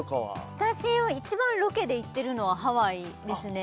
私は一番ロケで行ってるのはハワイですね